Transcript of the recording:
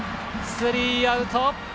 スリーアウト。